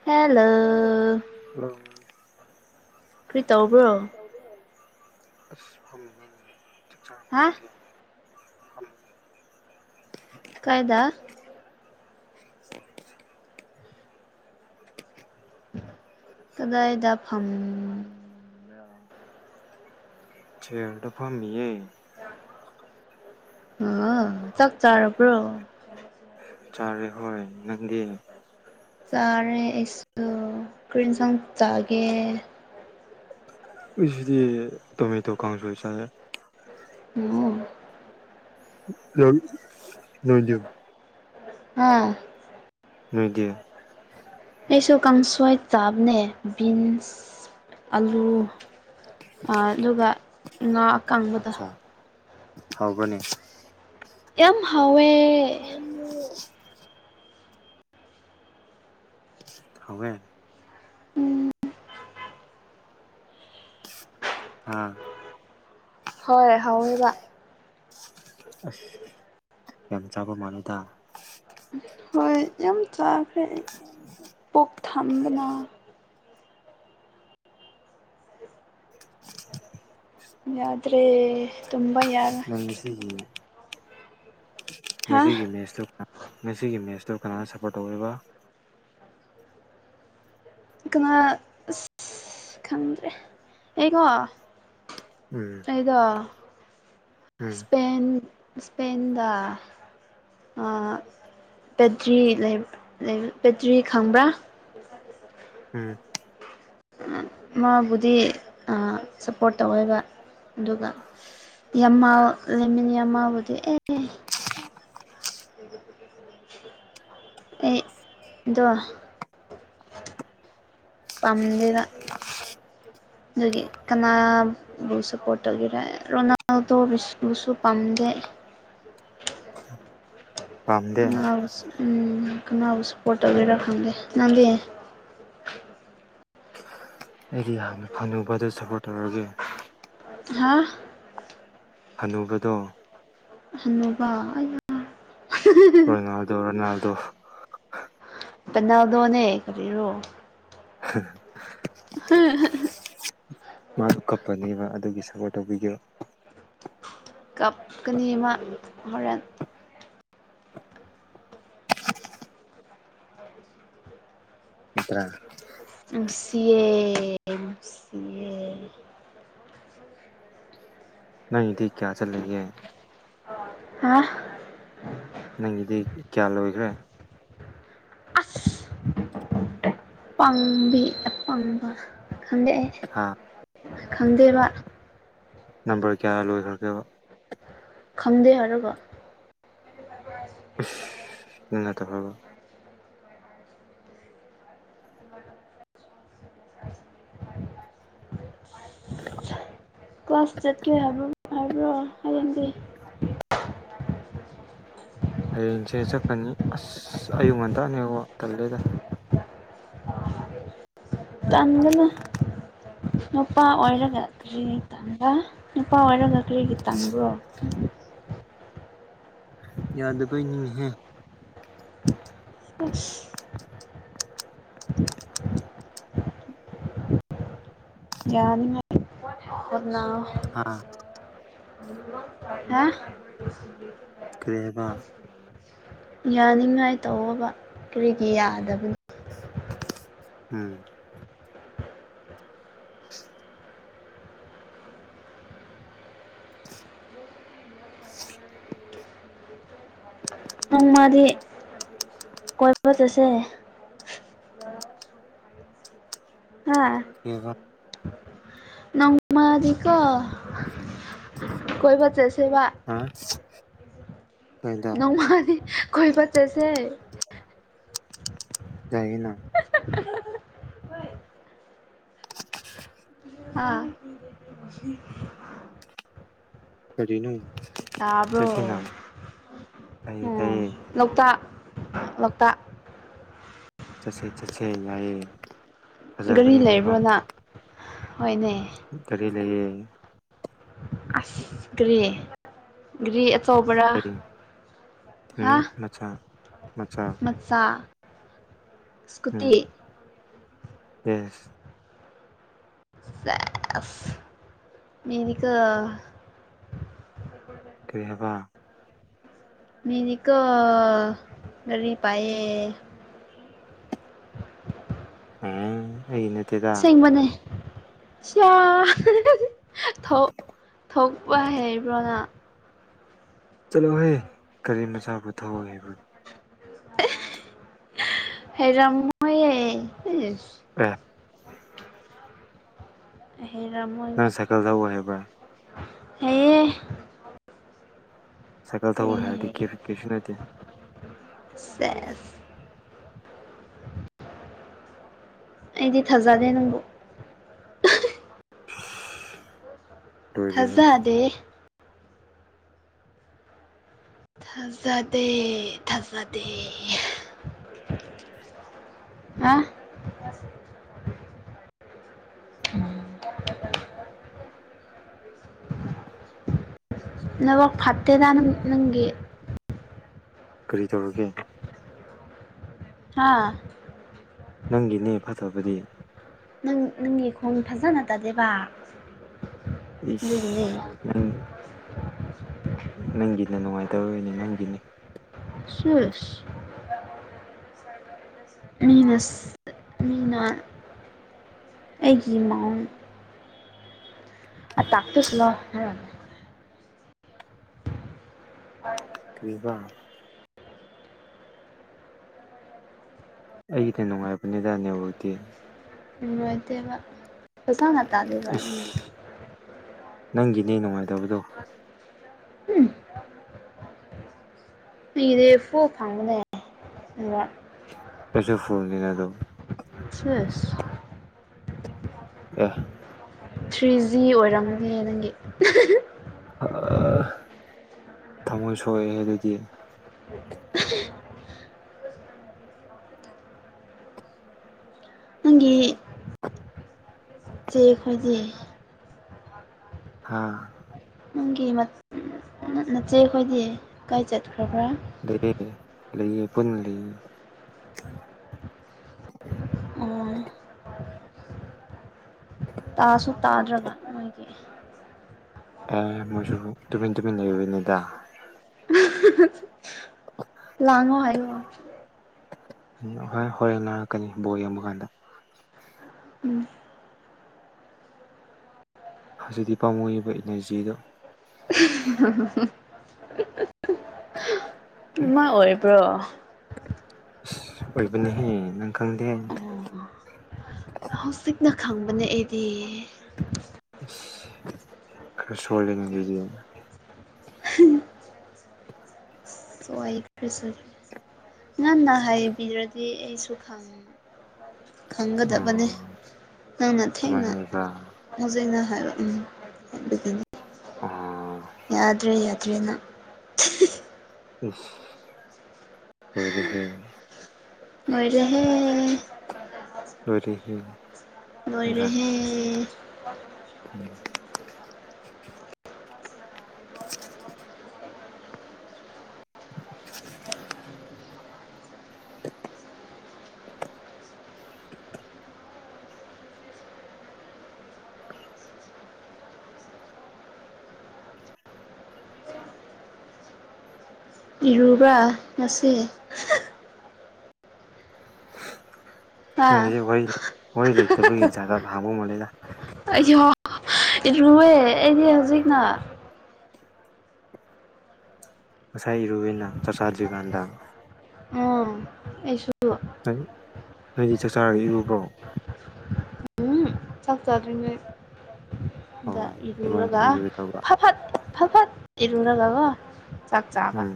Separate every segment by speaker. Speaker 1: hello ꯀ꯭ꯔꯤ ꯇꯧꯕ꯭ꯔꯣ
Speaker 2: ꯑꯁ ꯐꯝꯃꯤꯅꯦ ꯆꯥꯛ ꯆꯥꯔꯕ‌ꯣ
Speaker 1: ꯍꯥ
Speaker 2: ꯅꯪꯗꯤ [unintelligible]
Speaker 1: ꯀꯥꯏꯗ ꯀꯗꯥꯏꯗ ꯐꯝ
Speaker 2: ꯆꯤꯌꯥꯔꯗ ꯐꯝꯃꯤꯌꯦ
Speaker 1: ꯑ‌ꯣꯋ‌ꯣ ꯆꯥꯛ ꯆꯥꯔꯕꯔꯣ [inaudible]
Speaker 2: ꯆꯥꯔꯦ ꯍꯣꯏ ꯅꯪꯗꯤ
Speaker 1: ꯆꯥꯔꯦ ꯑꯩꯁꯨ ꯀꯔꯤ ꯑꯦꯟꯁꯥꯡ ꯆꯥꯒꯦ
Speaker 2: ꯑꯩ ꯁꯤꯗꯤ ꯇꯣꯃꯦꯇꯣ ꯀꯥꯡꯁꫭꯏ ꯆꯥꯡꯒꯦ
Speaker 1: [unintelligible]
Speaker 2: [unintelligible]
Speaker 1: ꯑꯥ
Speaker 2: ꯅꫭꯏꯗꯤ
Speaker 1: ꯑꯩꯁꯨ ꯀꯥꯡꯁꫭꯏ ꯆꯥꯕꯅꯦ ꯕꯤꯟꯁ ꯑꯂꯨ ꯑꯗꯨꯒ ꯉꯥ ꯑꯀꯪꯕꯗꯣ
Speaker 2: ꯑꯆꯥ ꯍꯥꯎꯒꯅꯦ
Speaker 1: ꯌꯥꯝ ꯍꯥꯎꯋꯦ
Speaker 2: ꯍꯥꯎꯋꯦ ꯍꯥꯥ
Speaker 1: ꯍꯣꯏ ꯍꯥꯎꯋꯦꯕ
Speaker 2: ꯑꯁ ꯌꯥꯝ ꯆꯥꯕ ꯃꯥꯅꯤꯗ
Speaker 1: ꯍꯣꯏ ꯌꯥꯝ ꯆꯥꯈ꯭ꯔꯦ ꯄꯣꯛ ꯊꯝꯕꯅ ꯌꯥꯗ꯭ꯔꯦ ꯇꯨꯝꯕ ꯌꯥꯔ
Speaker 2: ꯅꯪ ꯉꯁꯤꯒꯤ
Speaker 1: ꯍꯥ
Speaker 2: ꯉꯁꯤꯒꯤ ꯃꯦꯁꯇ ꯉꯁꯤꯒꯤ ꯃꯦꯠꯁꯇꯨ ꯀꯅꯥꯗ ꯁꯞꯄꯣꯔꯠ ꯇꯧꯋꯦꯕ
Speaker 1: ꯀꯅꯥ ꯈꯪꯗ꯭ꯔꯦ ꯑꯩꯀꯣ
Speaker 2: ꯎꯝ
Speaker 1: ꯑꯩꯗꯣ
Speaker 2: ꯎꯝ
Speaker 1: ꯏꯁꯄꯦꯟ ꯏꯁꯄꯦꯟꯗ ꯕꯦꯇ꯭ꯔꯤ ꯕꯦꯇ꯭ꯔꯤ ꯈꯪꯕ꯭ꯔꯥ ꯄꯁ
Speaker 2: ꯎꯝ
Speaker 1: ꯃꯥꯕꯨꯗꯤ ꯁꯞꯄꯣꯔꯠ ꯇꯧꯋꯦꯕ ꯑꯗꯨꯒ ꯌꯥꯝꯃ ꯂꯩꯃꯤꯟꯅ ꯌꯥꯝ ꯃꯥꯕꯨꯗꯤ ꯑꯦ
Speaker 2: [inaudible]
Speaker 1: ꯑꯩ [inaudible] ꯄꯥꯝꯗꯦꯕ ꯑꯗꯨꯒꯤ ꯀꯅꯥ ꯕꯨꯁꯄꯣꯇꯜꯒꯤꯔꯦ ꯔꯣꯅꯥꯜꯗ ꯕꯨꯁꯨ ꯄꯥꯝꯗꯦ
Speaker 2: [inaudible] ꯄꯥꯝꯗꯦ
Speaker 1: ꯀꯅꯥꯕꯨ ꯎ ꯀꯅꯥꯕꯨ ꯁꯞꯄꯣꯔꯠ ꯇꯧꯕꯤꯔ ꯈꯪꯗꯦ ꯅꯪꯗꯤ
Speaker 2: ꯑꯩꯗꯤ ꯌꯥꯝꯅ ꯍꯅꯨꯕꯗ ꯁꯞꯄꯣꯔꯠ ꯇꯧꯔꯒꯦ
Speaker 1: ꯍꯥꯥ
Speaker 2: ꯍꯅꯨꯕꯗꯣ
Speaker 1: ꯍꯟꯅꯨꯕ
Speaker 2: ꯔꯣꯅꯥꯜꯗꯣ ꯔꯣꯅꯥꯜꯗꯣ
Speaker 1: ꯄꯦꯟꯅꯥꯜꯗꯣꯅꯦ ꯀꯔꯤꯔꯣ
Speaker 2: [inaudible]
Speaker 1: [inaudible]
Speaker 2: ꯃꯥꯁꯨ ꯀꯞꯄꯅꯦꯕ ꯑꯗꯨꯒꯤ ꯁꯄꯣꯔꯠ ꯇꯧꯕꯤꯒꯣ
Speaker 1: ꯀꯥꯞꯀꯅꯤ ꯑꯃ ꯍꯣꯔꯦꯟ
Speaker 2: ꯑꯠꯇ꯭ꯔ
Speaker 1: ꯪ ꯁꯤ ꯑꯦ ꯁꯤ
Speaker 2: ꯅꯗꯤ ꯀꯌꯥ ꯆꯜꯦ
Speaker 1: ꯍꯥ
Speaker 2: ꯅꯪꯒꯤꯗꯤ ꯀꯌꯥ ꯂꯣꯏꯈ꯭ꯔꯦ
Speaker 1: ꯄꯥꯪꯕꯤ ꯑꯄꯥꯪꯕ ꯈꯪꯗꯛꯑꯦ
Speaker 2: ꯍꯥ
Speaker 1: ꯈꯪꯗꯦꯕ
Speaker 2: ꯅꯝꯕꯔ ꯀꯌꯥ ꯂꯣꯏꯈ꯭ꯔꯒꯦꯕ
Speaker 1: ꯈꯪꯗꯦ ꯍꯥꯏꯔꯕ
Speaker 2: ꯀꯠꯇ ꯍꯒ [inaudible]
Speaker 1: ꯀ꯭ꯂꯥꯁ ꯆꯠꯀꯦ ꯍꯥꯏꯕ ꯍꯥꯏꯕ꯭ꯔꯣ ꯍꯌꯦꯡꯗꯤ
Speaker 2: ꯍꯌꯦꯡꯁꯦ ꯆꯠꯀꯅꯤ ꯑꯁ ꯑꯌꯨꯛ ꯉꯟꯇꯥꯛꯅꯦ ꯇꯜꯂꯦꯗ
Speaker 1: ꯇꯝꯗꯅ ꯅꯨꯄꯥ ꯑꯣꯏꯔꯒ ꯀꯔꯤꯒꯤ ꯇꯕ ꯅꯨꯄꯥ ꯑꯣꯏꯔꯒ ꯀꯔꯤꯒꯤ ꯇꯕ꯭ꯔꯣ
Speaker 2: ꯌꯥ ꯑꯗꯨꯕꯩꯅꯤꯍꯦ
Speaker 1: ꯑ ꯌꯥꯅꯤꯉꯅꯥ
Speaker 2: ꯍꯥꯥ
Speaker 1: ꯍꯥ
Speaker 2: ꯀ꯭ꯔꯦꯕ
Speaker 1: ꯌꯥꯅꯤꯡꯉꯥꯏ ꯇꯧꯕ ꯀꯔꯤꯒꯤ ꯌꯥꯗꯕꯅꯣ
Speaker 2: ꯎꯝ ꯎ [inaudible]
Speaker 1: ꯅꯣꯡ ꯃꯥꯗꯤ ꯀꯣꯏꯕ ꯆꯠꯁꯦ ꯑ ꯍꯥ
Speaker 2: ꯀꯔꯤ ꯍꯥꯏꯕ
Speaker 1: ꯅꯧꯃꯔꯤ ꯀꯣ ꯀꯣꯏꯕ ꯆꯦꯁꯦꯕ
Speaker 2: ꯍꯥ ꯀꯩꯗ
Speaker 1: ꯅꯣꯡꯃꯗꯤ ꯈ ꯄ ꯆꯦꯁꯦ
Speaker 2: ꯌꯥꯥꯏꯅ
Speaker 1: ꯍꯣꯏ ꯑꯥ
Speaker 2: ꯀꯔꯤꯅꯣ
Speaker 1: ꯇꯥꯕ꯭ꯔꯣ
Speaker 2: ꯆꯠꯁꯤꯅ ꯇꯥꯏꯌꯦ
Speaker 1: ꯎꯝ
Speaker 2: ꯇꯥꯏꯌꯦ
Speaker 1: ꯂꯣꯛꯇꯥꯛ ꯂꯣꯛꯇꯥꯛ
Speaker 2: ꯆꯠꯁꯦ ꯆꯠꯁꯦ ꯌꯥꯏꯌꯦꯦ
Speaker 1: ꯒꯥꯔꯤ ꯂꯩꯕ꯭ꯔꯣꯅ ꯍꯣꯏꯅꯦ
Speaker 2: ꯀꯔꯤ ꯂꯩꯌꯦ
Speaker 1: ꯑꯁ ꯒ꯭ꯔꯤ ꯒ꯭ꯔꯤ ꯑꯆꯧꯕꯔ
Speaker 2: ꯑꯩ ꯎꯝ ꯃꯆꯥ ꯃꯆꯥ
Speaker 1: ꯃꯆꯥꯥ ꯏꯁꯀꯨꯇ
Speaker 2: ꯎꯝ
Speaker 1: ꯐꯦ ꯃꯤꯅꯤꯀ
Speaker 2: ꯀꯔꯤ ꯍꯥꯏꯕ
Speaker 1: ꯃꯤꯦꯅꯤꯀ ꯔꯤ ꯄꯑ
Speaker 2: ꯑ ꯑꯩꯅ
Speaker 1: ꯁꯦꯡꯕꯅꯦ ꯊꯣꯛ ꯊꯣꯛꯄ ꯍꯩꯕ꯭ꯔꯣꯅ
Speaker 2: ꯆꯠꯂꯣꯍꯦ ꯀꯔꯤ ꯃꯆꯥꯕꯨ ꯊꯑꯣꯏꯦꯕ
Speaker 1: ꯍꯦꯔꯝꯃ
Speaker 2: ꯑ
Speaker 1: ꯍꯦꯔꯥꯃ
Speaker 2: ꯅꯪ ꯁꯥꯏꯀꯜꯗꯎ ꯍꯥꯏꯕ꯭ꯔꯥ
Speaker 1: ꯑꯦꯌꯦꯦ
Speaker 2: ꯁꯥꯏꯀꯜ ꯊꯧ
Speaker 1: ꯀꯔꯤ
Speaker 2: ꯍꯥꯏꯔꯗꯤ ꯀ
Speaker 1: ꯍꯩ
Speaker 2: ꯀꯩꯁꯨ ꯅꯠꯇꯦ
Speaker 1: ꯁꯦꯁ ꯑꯩꯗꯤ ꯊꯥꯖꯗꯦ ꯅꯪꯕꯨꯣ
Speaker 2: ꯂꯣꯏꯔꯦꯍꯦ
Speaker 1: ꯊꯥꯖꯗꯦ ꯊꯖꯗ ꯊꯖꯗꯦ ꯑ ꯑꯁ ꯅꯕꯒ ꯐꯠꯇꯦꯗ ꯅꯪꯒꯤ
Speaker 2: ꯀꯔꯤ ꯇꯧꯔꯒꯦ
Speaker 1: ꯍꯥꯥ
Speaker 2: ꯅꯪꯒꯤꯅꯦ ꯐꯠꯇꯕꯗꯤ
Speaker 1: ꯅꯪ ꯅꯪꯒꯤ ꯈꯣꯟ ꯐꯖꯅ ꯇꯗꯦꯕ
Speaker 2: ꯁ ꯅꯪꯦ ꯅꯪꯒꯤꯅ ꯅꯨꯡꯉꯥꯏꯇꯣꯏꯅꯦ ꯅꯪꯒꯤꯅꯤ
Speaker 1: ꯁꯨꯁ ꯁꯔ ꯃꯤꯅ ꯃꯤꯅ ꯑꯩꯒꯤ ꯏꯃꯥ ꯑ ꯇꯥꯛꯇꯁꯂꯣ ꯍ
Speaker 2: ꯀ꯭ꯔꯤꯄꯥ ꯑꯩꯒꯤꯗꯤ ꯅꯨꯡꯉꯥꯏꯕꯅꯤꯗꯅꯦꯕꯨꯖꯤꯗꯤ
Speaker 1: ꯎꯠꯇꯕ ꯄꯩꯁꯥꯅ ꯇꯥ ꯑꯗꯨꯦꯕ
Speaker 2: ꯑꯁ ꯅꯪꯒꯤꯅꯦ ꯅꯨꯡꯉꯥꯏꯇꯕꯗꯣ
Speaker 1: ꯎꯝ ꯑꯩꯒꯤꯗꯤ ꯐꯨ ꯐꯥꯡꯕꯅꯦ ꯑꯗꯨꯒ
Speaker 2: ꯀꯁꯨꯁꯨ ꯐꯣꯟꯅꯤꯅ ꯑꯗꯨꯣ
Speaker 1: ꯆꯦꯁ
Speaker 2: ꯑ‌ꯦ
Speaker 1: ꯊ꯭ꯔꯤ ꯖꯤ ꯑꯣꯏꯔꯝꯅꯤ ꯅꯪꯒꯤ
Speaker 2: ꯑ ꯊꯃꯣꯏ ꯁꯣꯛꯑꯦ ꯍ‌ꯦ ꯑꯗꯨꯗꯤ
Speaker 1: [unintelligible] ꯅꯪꯒꯤ ꯆꯦ ꯑꯩꯈꯣꯏꯁ [unintelligible]
Speaker 2: ꯍꯥꯥ
Speaker 1: ꯅꯪꯒꯤ ꯅꯆꯦ ꯑꯩꯈꯣꯏꯗꯤ ꯀꯥꯏ ꯆꯠꯈ꯭ꯔꯕ꯭ꯔꯥ
Speaker 2: ꯂꯩꯌꯦ ꯂꯩꯌꯦ ꯄꯨꯟꯅ ꯂꯩꯌꯦ
Speaker 1: ꯑꯣ ꯇꯥꯁꯨ ꯇꯥꯗ꯭ꯔꯒ ꯃꯣꯏꯒꯤ
Speaker 2: ꯑꯦ ꯃꯣꯏꯁꯨ ꯇꯨꯃꯤꯦꯟ ꯇꯨꯃꯤ ꯂꯩꯟꯅꯗ
Speaker 1: ꯂꯉꯣ ꯍꯥꯏꯣ
Speaker 2: ꯎꯝ ꯍꯣꯏ ꯍꯣꯔꯦꯟ ꯅꯥꯔꯛꯀꯅꯤ ꯕꯣꯔ ꯌꯦꯡꯕ ꯀꯥꯟꯗ
Speaker 1: ꯎꯝ
Speaker 2: ꯍꯧꯖꯤꯛꯇꯤ ꯄꯥꯝꯃꯣꯏꯏꯕ ꯏꯅꯔꯖꯤꯗꯣ
Speaker 1: ꯃꯥꯏ ꯑꯣꯏꯕ꯭ꯔꯣ
Speaker 2: ꯑꯁ ꯑꯣꯏꯕꯅꯤꯍꯦ ꯅꯪ ꯈꯪꯗꯦ
Speaker 1: ꯍꯧꯖꯤꯛꯅ ꯈꯪꯕ ꯅ ꯑꯩꯗꯤ
Speaker 2: ꯈꯔ ꯁꫭꯏꯔꯅ ꯑꯗꯨꯗ
Speaker 1: ꯁꯣ ꯑꯩꯁ [unintelligible] ꯉꯅ ꯍꯥꯏꯕꯤꯔꯗꯤ ꯑꯩꯁꯨ ꯈꯪꯉꯦ ꯈꯪꯒꯗꯕꯅꯤ ꯅꯪꯅ ꯊꯦꯡꯅ
Speaker 2: ꯑꯗꯨꯃꯥꯏꯅ ꯑꯣꯏꯕ꯭ꯔꯥ
Speaker 1: ꯃꯖꯩꯅ ꯍꯥꯏꯔ ꯎꯝ [unintelligible]
Speaker 2: ꯑꯥ
Speaker 1: ꯌꯥꯗ꯭ꯔꯦ ꯌꯥꯗ꯭ꯔꯦ ꯅꯪ ꯎ [unintelligible]
Speaker 2: ꯏꯁ ꯂꯥꯏꯔꯍꯦ
Speaker 1: ꯂꫭꯏꯔꯍꯦ
Speaker 2: ꯂꯣꯏꯔꯤ ꯗ
Speaker 1: ꯂꫭꯏꯔꯍꯦ
Speaker 2: ꯎꯝ [unintelligible] [unintelligible]
Speaker 1: ꯏꯔꯨꯕꯔ ꯉꯁꯤ ꯍꯥ
Speaker 2: ꯅꯪꯒꯤꯖ ꯋꯥꯔꯤ ꯋꯔꯤ ꯂꯩꯇꯕꯤ ꯖꯥꯇ-ꯖꯥꯇ ꯊꯪꯕ ꯃꯂ‌ꯦꯗ
Speaker 1: ꯑꯩꯁꯨꯍ ꯏꯔꯨꯋ‌ꯦ ꯍꯧꯖꯤꯛꯅ
Speaker 2: ꯉꯁꯥꯏ ꯏꯔꯨꯅ ꯆꯥꯛ ꯆꯥꯗ꯭ꯔꯤꯀꯥꯟꯗ
Speaker 1: ꯑꯣ ꯑꯩꯁꯨ
Speaker 2: ꯅꯪꯗꯤ ꯆꯥꯛ ꯆꯔ ꯏꯔꯨꯕ꯭ꯔꯣ
Speaker 1: ꯎꯝ ꯆꯥꯛꯖꯥꯗ꯭ꯔꯤꯉꯩꯗ
Speaker 2: ꯍꯣꯏ ꯑꯗꯨꯃꯥꯏꯅ
Speaker 1: ꯏꯔꯨꯔꯒ
Speaker 2: ꯏꯔꯨꯒꯦ ꯇꯧꯕ
Speaker 1: ꯐꯐꯠ ꯐꯐꯠ ꯏꯔꯨꯔꯒꯀꯣ ꯆꯥꯛꯆꯥꯥꯕ
Speaker 2: ꯎꯝ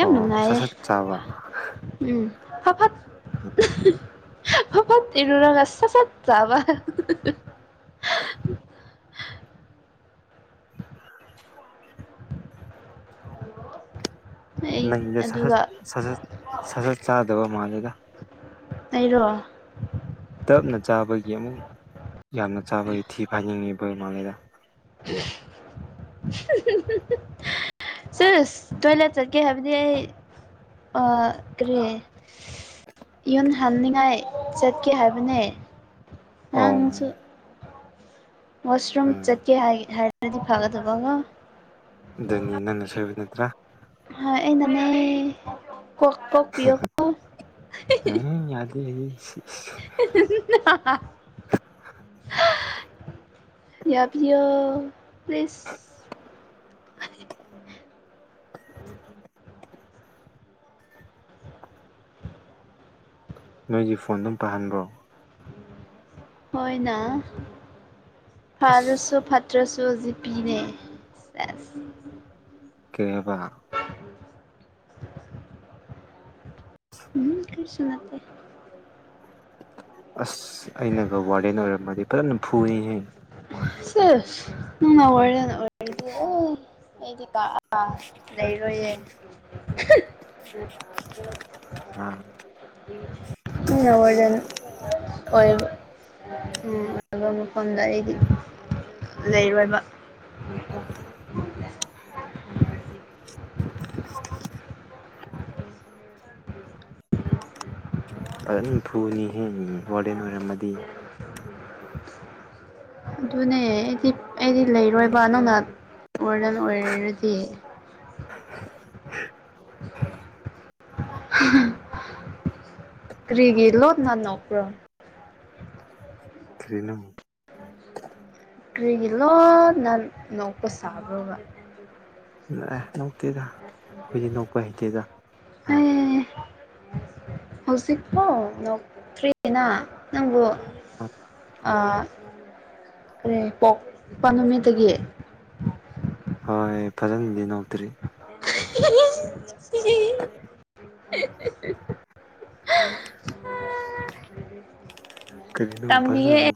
Speaker 2: ꯑꯣ ꯁꯠ ꯁꯠ ꯆꯥꯕ
Speaker 1: ꯎꯝ ꯐꯐꯠ ꯐꯐꯠ ꯏꯔꯔꯒꯥꯁ ꯆꯐꯠ ꯆꯥꯕ
Speaker 2: [inaudible]
Speaker 1: ꯑꯩ
Speaker 2: ꯅꯪꯗ ꯁꯠ
Speaker 1: ꯑꯗꯨꯒ
Speaker 2: ꯁꯠ ꯁꯠꯠ ꯁ ꯁꯠ ꯆꯥꯗꯕ ꯃꯥꯜꯂꯦꯗ
Speaker 1: ꯑꯩꯔꯣ
Speaker 2: ꯇꯞꯅ ꯆꯥꯕꯒꯤ ꯑꯃꯨꯛ ꯌꯥꯝꯅ ꯆꯥꯕꯒꯤ ꯊꯤ ꯐꯥꯏꯅꯤꯡꯉꯤꯕ ꯃꯥꯜꯂꯤꯗ
Speaker 1: ꯍꯤꯍꯤ ꯁꯔ ꯇꯣꯏꯂꯦꯠ ꯆꯠꯀꯦ ꯍꯥꯏꯕꯗꯤ ꯑꯩ ꯀꯔꯤ ꯌꯨꯟ ꯍꯟꯅꯤꯉꯥꯏ ꯆꯠꯀꯦ ꯍꯥꯏꯕꯅꯦ
Speaker 2: ꯑꯣ
Speaker 1: ꯑꯥꯡꯁꯨ ꯋꯥꯁ ꯔꯨꯝꯝ
Speaker 2: ꯎꯝ
Speaker 1: ꯆꯠꯀꯦ ꯍꯥꯏ ꯍꯥꯏꯗꯤ ꯐꯒꯗꯕ ꯀꫭ
Speaker 2: ꯑꯗꯨꯅꯤ ꯅꯪꯅ ꯁꯣꯏꯕ ꯅꯠꯇ꯭ꯔꯥ
Speaker 1: ꯍꫭꯏ ꯑꯩꯅꯅꯩ ꯀꯣꯛ ꯀꯣꯛ ꯄꯤꯌꯨꯀꫭ
Speaker 2: ꯎꯝ ꯌꯥꯗ ꯏꯩꯗ ꯁꯤ ꯏꯁ
Speaker 1: [unintelligible] ꯌꯥꯕꯤꯌꫭ ꯄ꯭ꯂꯦꯁ
Speaker 2: ꯅꯣꯏꯗꯤ ꯐꯣꯟꯗꯨꯝ ꯄꯥꯍꯟꯕ꯭ꯔꯣ
Speaker 1: ꯍꫭꯏꯅ
Speaker 2: ꯑꯁ
Speaker 1: ꯐꯔꯁꯨ ꯐꯠ ꯇ꯭ꯔꯁꯨ ꯖꯤꯄꯤꯅꯦ ꯁ‌ꯦꯁ
Speaker 2: ꯀꯩꯍꯕ
Speaker 1: [inaudible] ꯎꯝ ꯀꯩꯁꯨꯅꯇ‌ꯦ
Speaker 2: ꯑꯁ ꯑꯩꯅꯒ ꯋꯥꯔꯗꯦꯟ ꯑꯣꯏꯔꯝꯃꯗꯤ ꯐꯖꯅ ꯐꯨꯅꯤꯍꯦ
Speaker 1: ꯦ ꯎꯅ [unintelligible] ꯑꯩꯗꯤ ꯀꯛꯑ ꯂꯩꯔꯣꯏꯌꯦ
Speaker 2: ꯎꯝ
Speaker 1: ꯋꯥꯔꯗꯟ ꯑꯣꯏꯕ ꯎꯝ ꯕ ꯃꯐꯝꯗ ꯑꯩꯗꯤ ꯂꯩꯔꯣꯏꯕ
Speaker 2: ꯐꯖꯅꯝꯐꯨꯅꯤ ꯍꯦꯛ ꯋꯥꯔꯗꯦꯟ ꯑꯣꯏꯔꯝꯃꯗꯤ
Speaker 1: ꯑꯗꯨꯅꯦ ꯑꯩꯗꯤ ꯑꯩꯗꯤ ꯂꯩꯔꯣꯏꯕ ꯅꯪꯅ ꯋꯔꯗꯟ ꯑꯣꯏꯔꯗꯤ ꯍꯥ ꯀ꯭ꯔꯤꯒꯤ ꯏꯂꯣ ꯅꯅ ꯑꯣꯄ꯭ꯔꯥ
Speaker 2: ꯀꯔꯤꯅꫭ
Speaker 1: ꯀ꯭ꯔꯤꯒꯤ ꯂꯣꯟꯅ ꯅꯣꯛꯄ ꯁꯥꯕ꯭ꯔꫭꯕ
Speaker 2: ꯅꯣꯛꯇꯦꯗ ꯑꯩꯈꯣꯏꯗꯤ ꯅꯣꯛꯄ ꯍꯩꯇꯦꯗ ꯑ
Speaker 1: ꯍꯧꯖꯤꯛ ꯐꯥꯎ ꯅꯣꯛꯇ꯭ꯔꯤꯅ ꯅꯪꯕꯨ ꯑ ꯀꯔꯦ ꯄꯣꯛꯄ ꯅꯨꯃꯤꯠꯇꯒꯤ
Speaker 2: ꯍꯣꯏ ꯐꯖꯅꯗꯤ ꯅꯣꯛꯇ꯭ꯔꯤ
Speaker 1: ꯍꯤ ꯍꯤ ꯍꯤ
Speaker 2: ꯀꯔꯤꯅꯣ ꯐꯖꯅ ꯅꯣꯛ
Speaker 1: ꯇꯝꯕꯤꯒ‌ꯦ